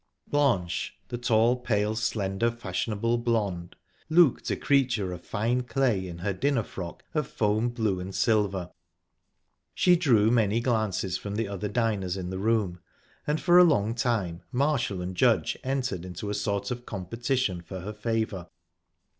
Blanche, the tall, pale, slender, fashionable blonde, looked a creature of fine clay in her dinner frock of foam blue and silver. She drew many glances from the other diners in the room, and for a long time Marshall and Judge entered into a sort of competition for her favour.